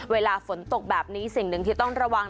เวลาฝนตกแบบนี้สิ่งหนึ่งที่ต้องระวัง